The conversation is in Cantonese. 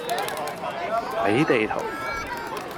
睇地圖